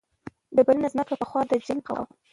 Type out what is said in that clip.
ډبرینه ځمکه پخوا د جهیل برخه وه.